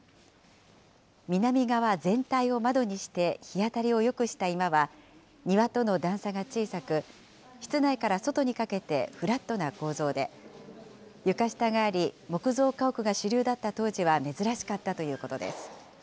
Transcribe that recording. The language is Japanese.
南側全体を窓にして日当たりをよくした今は、庭との段差が小さく、室内から外にかけてフラットな構造で、床下があり、木造家屋が主流だった当時は珍しかったということです。